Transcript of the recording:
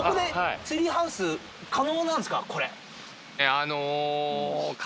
あの。